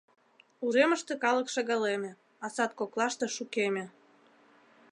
Уремыште калык шагалеме, а сад коклаште шукеме.